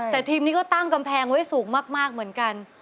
แต่ทีมนี้ก็ตั้งกำแพงไว้สูงมากเหมือนกัน